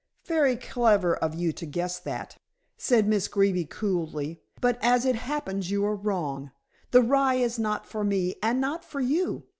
"Very clever of you to guess that," said Miss Greeby coolly, "but as it happens, you are wrong. The rye is not for me and not for you.